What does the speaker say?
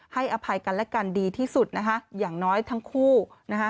อภัยกันและกันดีที่สุดนะคะอย่างน้อยทั้งคู่นะคะ